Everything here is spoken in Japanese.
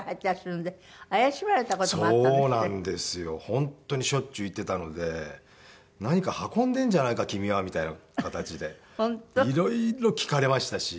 本当にしょっちゅう行っていたので何か運んでるんじゃないか君はみたいな形で色々聞かれましたし。